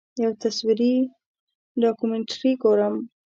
یو تصویري ډاکومنټري ګورم.